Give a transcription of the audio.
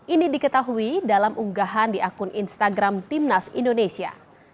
ini diketahui dalam unggahan di akun instagram timnas indonesia